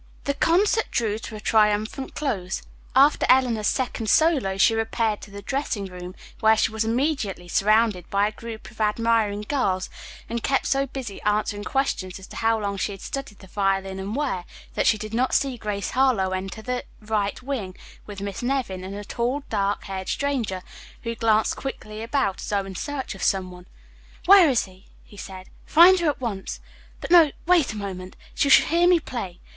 The concert drew to a triumphant close. After Eleanor's second solo, she repaired to the dressing room, where she was immediately surrounded by a group of admiring girls and kept so busy answering questions as to how long she had studied the violin and where, that she did not see Grace Harlowe enter the right wing with Miss Nevin and a tall, dark haired stranger who glanced quickly about as though in search of some one. "Where is she?" he said. "Find her at once. But, no, wait a moment. She shall hear me play!